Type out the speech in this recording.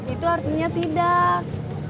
itu artinya tidak